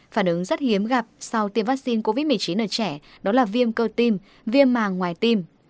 phản ứng rất hiếm gặp sau tiêm vaccine covid một mươi chín ở trẻ đó là viêm cơ tim viêm màng ngoài tim